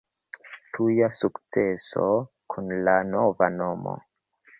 Tuja sukceso kun la nova nomo.